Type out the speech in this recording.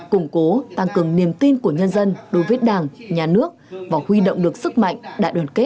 củng cố tăng cường niềm tin của nhân dân đối với đảng nhà nước và huy động được sức mạnh đã đoàn kết toàn dân tộc